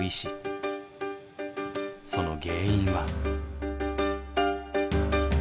その原因は。